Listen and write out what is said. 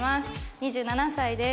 ２７歳です。